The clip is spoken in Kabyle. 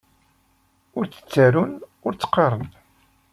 Ur tt-ttarun ur tt-qqaren.